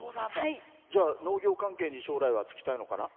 農業関係に将来は就きたいのかな？